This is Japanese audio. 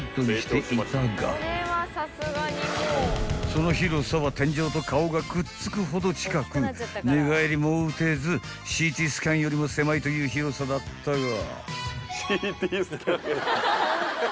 ［その広さは天井と顔がくっつくほど近く寝返りも打てずＣＴスキャンよりも狭いという広さだったが］